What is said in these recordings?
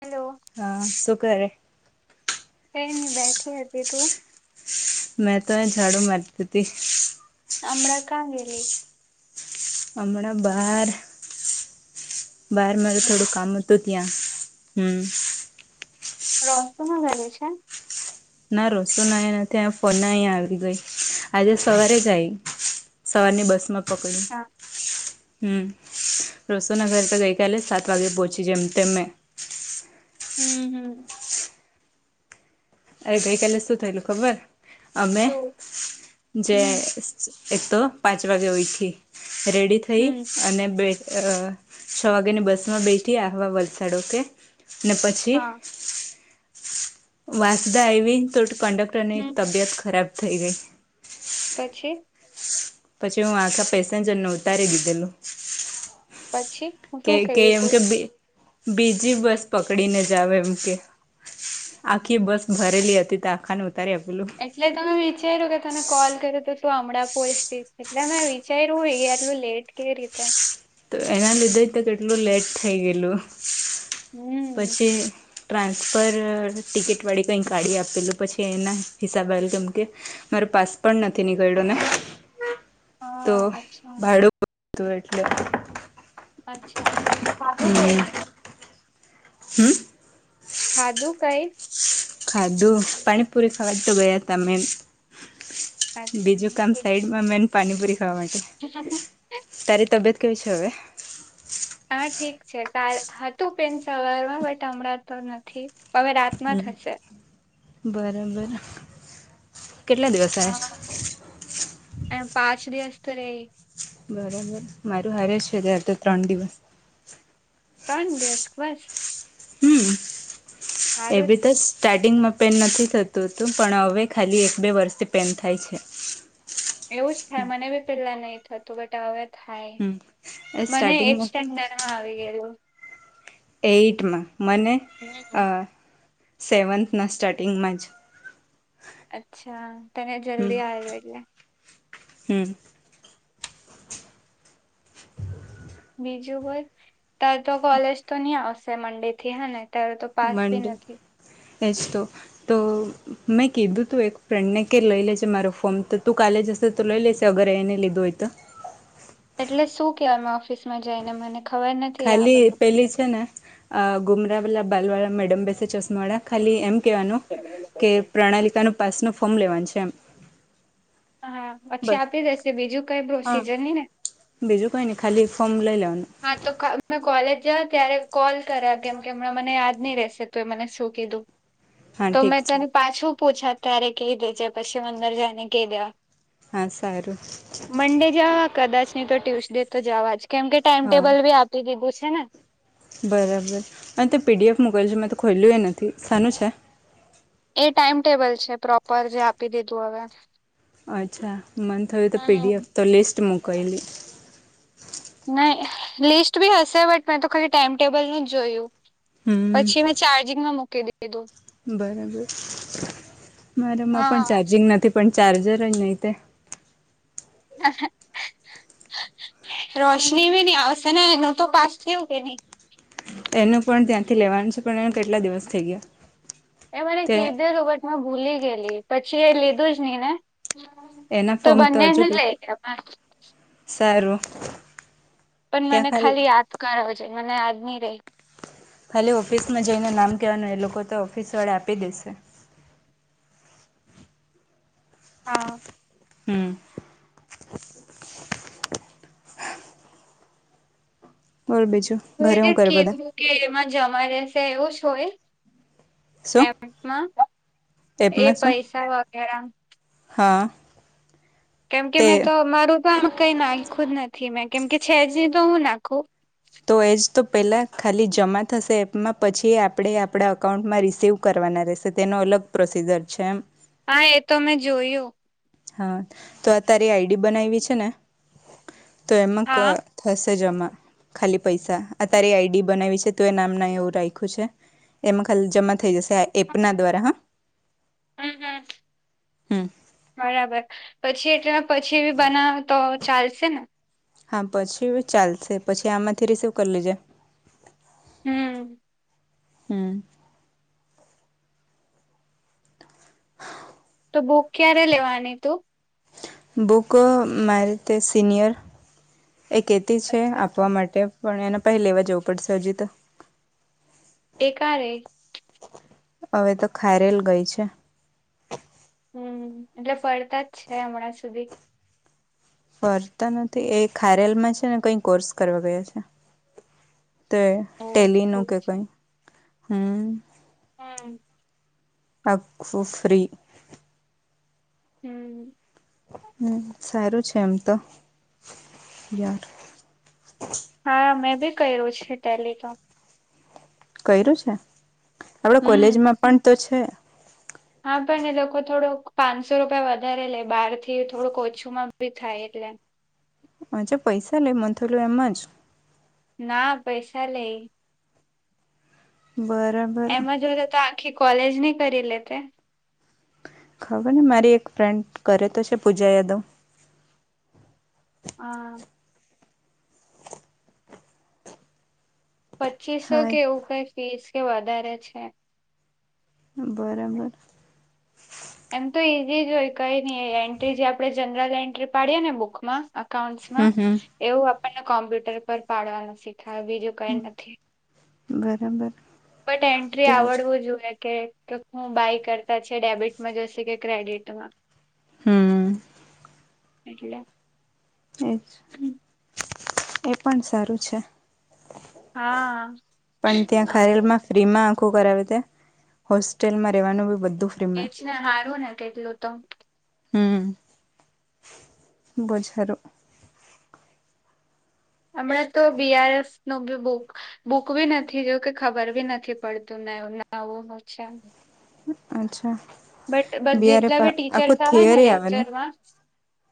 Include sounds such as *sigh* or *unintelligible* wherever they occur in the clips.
Hello હા શું ક રે કઈ નહી બેઠી હતી તું મે તો અહીં ઝાડૂ માર તી-તી આમડા કા ગેલી હમણાં બાર -બાર મારું થોડું કામ તો ત્યાં -હમ- રો સ્તોમાં ઘરે છે ના રસો નાયા નથી ફોના અહીયા આવી ગઈ આજે સવારે જ આઈ સવારને બસમાં પકડ્યું હા હું -રોસોના ઘર તો ગઈકાલે સાત વાગે પહોંચી જેમ તેમં મે હમ હમ અરે ગઈકાલે શું થયેલું -ખબર અમે- શું જે હમ એક તો પાંચ વાગે ઉઈઠી -રેડી થઈ હમ અને બે અ અ છ વાગે ની બસ માં બેઠી આવા વલસાડો કે ને પછી- હા વાંસદા આવી તો કંડક્ટર ની હમ તબિયત ખરાબ થઈ ગઈ પછી પછી હું આખા પેસેન્જરને ઉતારી દીધેલું પછી કે શું કે કરી એમ તું કે બી બીજી બસ પકડીને જાવે એમ કે આખી બસ ભરેલી હતી તો આખાને ઉતારી પેલું એટલે તમે વિચાર્યું કે તમે કોલ કર્યો તો તું હમણાં પોચ એટલે મેં વિચાર્યું હોય કે આટલું લેટ કેવી રીતે તો એના લીધે તો કેટલું લેટ થઈ ગયેલું હમ પછી ટ્રાન્સફર ટિકિટવાળી કંઈ કાઢી આપેલું પછી એના હિસાબેલ કેમ કે મારો પાસ પણ નથી નીકળ્યો ને તો હા અચ્છા ભાડું હતું એટલે અચ્છા સાધું ગઈ હમ્મ. ખાધું કઈ ખાધું પાણીપુરી ખાવા તો ગયા તમે બીજું કામ ઠીક સાઈડમાં મેન પાણીપુરી ખાવા માટે *unintelligible* તારી તબિયત કેવી છે હવે? હા ઠીક છે કાલ હતું પેન સવારમાં બટ હમણાં તો નથી હવે રાત હમ્મ બરોબર કેટલા દિવસ આવે હા એ પાંચ દિવસ તો નઈ બરાબર મારું હાર છે તાર તો ત્રણ દિવસ ત્રણ દિવસ બસ હમ્મ સારું એવી જ. તો બસ સ્ટાર્ટિંગમાં પેન નથી થતું પણ હવે ખાલી એક બે વર્ષથી પેન થાય છે. એવું જ થાય મને બી પેલા નહી થતું બટ હવે થાય હમ મને એ સ્ટન એ હા આવી ગયુ એઈટમાં મને હમ અ સેવન્થના સ્ટાર્ટિંગમાં જ અચ્છા તને જલ્દી આવજો એટલે હમ્મ. બીજું હોઈ તાર તો કોલેજ તો નહી આવશે મંડે થી હેને મંડે એજ તો તો મેં કીધું તું એક ફ્રેન્ડ ને કે લઈ લેશે મારો ફોર્મ તો તું કાલે જશે તો લઈ લેશે અગર એને લીધું હોય તો એટલે શું કેવાનું ઓફિસમાં જઈને મને ખબર નથી આ ખાલી બધું પેલી જ છે ને ગુમરા વલા બાલવાળા મેડમ બેસે ચશમા વાળા ખાલી એમ કેવાનું એે કે પ્રણાલીકાનો પાસ નુ ફોર્મ લેવાનું છે એમ હા પછી બસ આપી દેશે બીજું કઈ પ્રોસીજર નહીં ને બીજું કાઈ નહિ ખાલી એક ફોર્મ લઈ લેવાનું હા તો મેં કોલેજ જ ત્યારે કોલ કર્યા કેમ કે હમણાં મને યાદ નહી રહેશે તો એ મને શું કીધું હા તો ઠીક મેં છે તને પાછું પૂછા ત્યારે કહી દેજે પછી અંદર જઈને કહી દેવા હા સારું મંડે જવા કદાચ નહી તો ટ્યુસડે તો જવા જ કેમ કે ટાઈમ હા ટેબલ બી આપી દીધું છે ને બરાબર અને તો પીડીએફ મોકલ જે મેં તો ખોલ્યું એ નથી સાનું છે એ ટાઈમ ટેબલ છે પ્રોપર જે આપી દીધું હવે અચ્છા મને થયું તો પીડીએફ તો લિસ્ટ મોકલેલી નહી લિસ્ટ બી હશે બટ મેં તો ખાલી ટાઈમટેબલ નું જ જોયું હમ પછી મે ચાર્જિંગમાં મુકી દી બરાબર મારામાં પણ હા ચાર્જિંગ નથી પણ ચાર્જર જ નહિ તે *inaudible* રોશની ભી નહું આવશે ને એનું તો પાસ થયું કે નહી એનું પણ ત્યાંથી લેવાનું છે પણ એ કેટલા દિવસ થઈ ગયા એ મને તે કીધેલુ બટ મે ભૂલી ગયેલી પછી એ લીધું જ નહી ને એના તો ફોર્મ હજુ બંનેને કે લઈ ગયા સારું પણ મને ખાલી યાદ કરવ છે મને યાજ ની ર રહે ખાલી ઓફિસમાં જઈને નામ કહેવાનું એ લોકો તો ઓફિસવાળા આપી દેશે હા હમ બોલ બીજુ *unintelligible* એમાં જમા રહેશે એવું જ હોય શું એમાં એ એપમાં શું પૈસા વગેરા હા કેમ કે તે મેં તો મારું તો આમ કઈ નાખું જ નથી મેં કેમકે છેજની તો હું નાખું તો એજ તો પહેલાં ખાલી જમા થશે એપમાં પછી આપણે આપણા અકાઉન્ટમાં રિસીવ કરવાના રહેશે તેનો અલગ પ્રોસીજર છે. હા એ તો મેં જોયું હા તો તારી આઈડી બનાવીવી છે ને તો એમાં કર હા થશે જમા ખાલી પૈસા આ હમ તારી આઈડી બનાવી છે તું એ નામ ના એવું રાખ્યું છે. એમાં ખાલી જમા થઈ જશે આ એપ ના દ્વારા હા હમ *unintelligible* બરાબર પછી એટલે પછી બી બનાવ તો ચાલશે ને હા પછી ચાલશે પછી આમાંથી રિસીવ કરી લીજે હમ હમ બુક ક્યારે લેવાની તું બુક મારીતે સિનિયર એ કહેતી છે અચ્છા આપવા માટે પણ એના પાહે લેવા જવું પડશે અજી તો એકાહારે હવે તો ખાયરેલ ગઈ છે, હમ એટલે ફરતા જ છે હમણાં સુધી ફરતા નથી એ ખારેલ માં છે ને કઈ કોર્સ કરવા ગયા છે. તો ઓ ટેલી નું ઠીક કે છે કઈ હમ હમ *unintelligible* હમ હમ સારું છે એમ તો યાર હા મેં બી કર્યું છે ટેલિકોમ કર્યું છે હવે હમ કોલેજમાં પણ તો છે હા પણ એ લોકો થોડો પાંચસો થી વધારે લે બહાર થી થોડુંક ઓછુંમાં બી થાય એટલે હજે પૈસા લે *unintelligible* એમાં જ ના પૈસા લે ગરમ એના જોળે તો આખી કોલેજની કરી લેતે ખબર ને મારી એક ફ્રેન્ડ કરે તો છે પૂજા યાદવ હમ પચીસો કે હાય એવું કઈ ફીસ કે વધારે છે *unintelligible* એમ તો ઈઝી જ હોય કઈ નહી એન્ટ્રી જે આપણે જનરલ એન્ટ્રી પાડીએ ને બુકમાં હમ અકાઉન્ટસમાં હમ એવું આપણને કોમ્પ્યુટર પર પાડવાનું શીખાય બીજું કઈ નથી *unintelligible* બટ એન્ટ્રી તેજ આવડવું જોઈએ કે કે હું બાય કરતા છેડા ડેબિટમાં જશે કે ક્રેડિટમાં હમ એટલે એજ એ પણ સારું છે. હા ફ્રી માં આખું કરાવી ત્યા હોસ્ટેલમાં રહેેવાનું બી બધું ફ્રીમાં એજ ને હારું ને કેટલું તો હમ. બોજ‌ હારુ હમણાં તો બીઆર એફનુ બુક બુક ભી નથી જોવ કે ખબર બી નથી પડતું એ નવું હું છે. અચ્છા બસ બિહારે જેટલા બી ટીચર આખું આવે ને થિયરી લેક્ચરમાં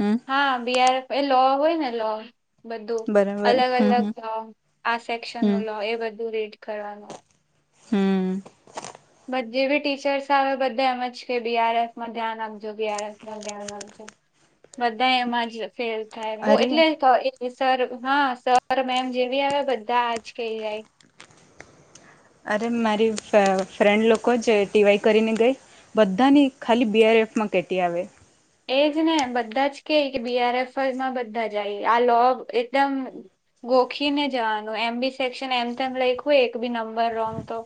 હમ હા બિહાર એ લો હોય ને લો. બધું બરાબર અલગ હમ અલગ હમ લો આ હમ સેક્શનનું લો એ બધું રીડ કરવાનું હોય હમ બધી જે બી ટીચર્સ આવે બધા એમ જ કે બીઆરએફમાં ધ્યાન રાખજો બીઆરએફમાં ધ્યાન રાખજો બધા એમાં જ ફેલ થાય અરે એટલે સર હા સર મેમ જેવી આવે બધા આજ કહી જાય અરે મારી ફ્રેન્ડ લોકો જે ટીવાય કરીને ગઈ બધાની ખાલી બી આર એફમાં કેટી આવે એજ ને બધા જ કે કે બીઆરએફમાં બધા જાય આ લોબ એકદમ ગોખીને જવાનું એમ બી સેક્શન એમ લખ્યું હોય એક બી નંબર રોંગ તો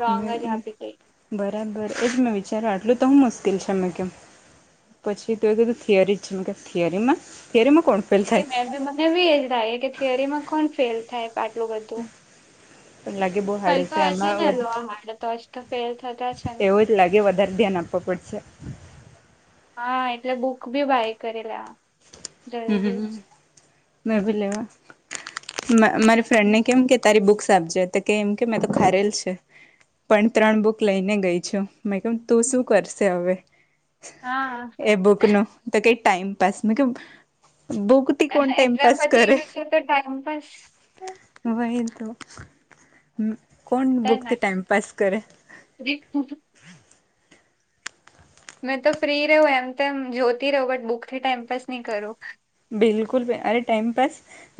રોંગ જ આપી દઈશ. બરાબર એજ મેં વિચાર્યું આટલું તો હું મુશ્કેલ છે મે કેમ પછી તો એ કીધું થિયરી જ છે કે થિયરીમાં થિયરીમાં કોણ ફેલ થાય મે મને એ એજ લાગે કે થિયરીમાં કોણ ફેલ થાય આટલું બધું પણ લાગે બહુ કઈ હાર્ડ તો હશે ને આમાં લોમાડ તો જ તો ફેલ થતા છે ને એટલે લાગે વધારે ધ્યાન આપવા પડશે હા એટલે બુક બી બાય કરેલા હમ મેભી લેવા મારી ફ્રેન્ડને કેમ કે તારી બુક્સ આપજે તો કે એમ કે મેં તો ખારેલ છે. પણ ત્રણ બુક લઈને ગઈ છું મે કેમ તું શું કરશે હવે? હા એ બુક નું તો કઈ ટાઈમપાસ કે બુક એક્ઝામ પછી ગયું છે તો ટાઈઇમપાસ વહી તો કોણ થાય ને. બુકથી ટાઈમ પાસ કરે *inaudible* મેં તો ફ્રી રહું એમ તો એમ જોતી રહુ બટ બુકથી ટાઈમપાસ નહી કરું બિલકુલ અરે ટાઈમપાસ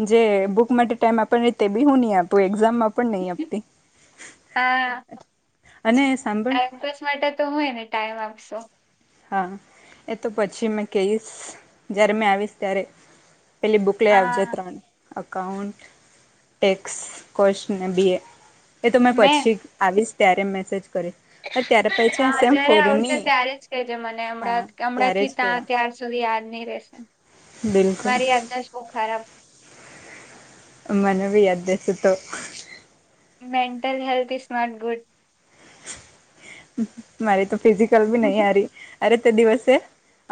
જે બુક માટે ટાઈમ આપવા તે બી હું નહી આપું એક્ઝામ આપ પણ નહી આપતી હા અને સાંભળ ટાઈમપાસ માટે તો હોયને ટાઈમ આપશું હા એ તો પછી મેં કહીશ જય્યારે મેં આવીશ ત્યારે પેલી બુક લઈ આવજે હા ત્રણ અઉન્ટ, ટેક્સ, કોસ્ટ ને બીએ એ તો મેં પછી આવીશ ત્યારે મેસેજ કરીશ અને ત્યારે પછી સેમ ફોર‌ની *unintelligible* હમણાંથી ત્યા કેવા ત્યાર સુધી યાદ નહી રશે. બિલકુલ મારી યાદ *unintelligible* મને બી યાદ રહશે તો mental health is not good મારી તો ફિઝિકલ ભી નહી હારી અરે તે દિવસે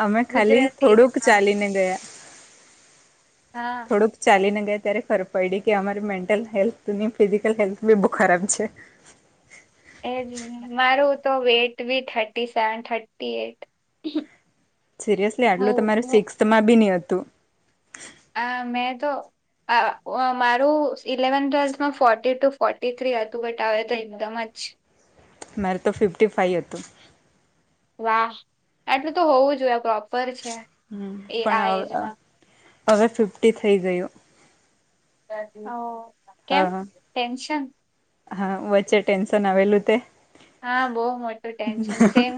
અમે ખાલી ગુજરાતી થોડુંક હા ચાલીને ગયા હા થોડુંક ચાલીને ગાય ત્યારે ખબર પડી કે અમારી મેન્ટલ હેલ્થ બી ફિઝિકલ હેલ્થ બી બહુ ખરાબ છે. એ જ મારું તો વેટ બી thirty seven thirty eight. Seriously આટલું હું તમારે હું સિક્સ્થમાં બી નહી હતું. આ મેં તો મારું ઇલેવન ટ્વેલ્થમાં ફોર્ટી ટુ ફોર્ટી થ્રી હતું બટ આવે તો એકદમ જ મારે તો ફિફ્ટી ફાઇવ હતું વાહ આટલું તો હોવું જોઈએ પ્રોપર છે હમ્મ એ આ પણ એજમાં હવે ફિફ્ટી થઈ ગયું *unintelligible* હા ટેન્શન હા વચ્ચે ટેન્શન આવેલું તે હા બોવ મોટું ટેન્શન સેમ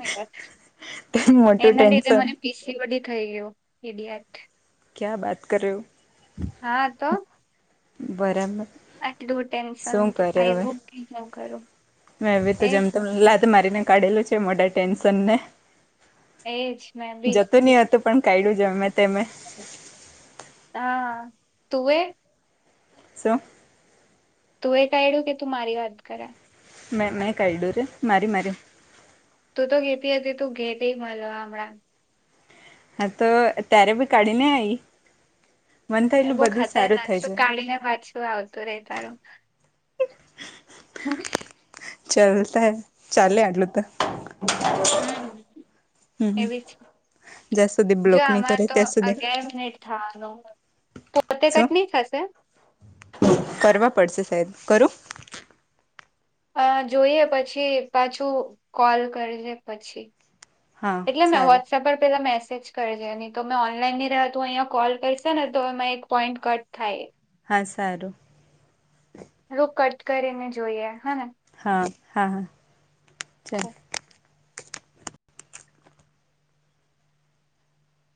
મોટું એન ટેન્શન મને પીસી બી થઈ ગયયો એડી આ ક્યા બાત કર્યો હા તો બરામ આટલું ટેન્શન આવુ ન કરું મે એ તો જેમ એજ ત ને લાત મારીને કાઢેલું છે મોટા ટેન્શન ને એજ મેં બી જતું નય હતું પણ કાયડું જમે તેમે હા તુવે સો તું એ કાયડું કે તું મારી વાત કરા મેં મેં કાયડું રે મારી મારી તું તો ઘેતી હતી તું ઘેતી મળલો હમણાં હા તો ત્યારે ભી કાઢીને આવી વો ખાતા હ ના થઈ તો જાય કાળીને ભાજ શું આવતું રે તારું ચાલતા હ ચાલલે આટલું તો હમ્મ હમ એવી છે જ્યાં સુધી જો બ્લોક નહી કરે આમાંરે તો ત્યાં સુધી અગિયાર મિનિટ થવાનું પોતે શું કટની થશે કરવા પડશે સાહેબ કરું અ જોઈએ પછી પાછું કોલ કરજે પછી હા એટલે મે હો સારું *unintelligible* પેલા મેસેજ કરજે એની તો મેં ઓનલાઈનની રહેતું અહીંયા કોલ કરશે ને તો એમાં એક પોઈન્ટ કટ થાય હા સારું હાલો કટ કરીને જોઈએ હા હા હા ચાલ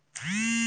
*unintelligible*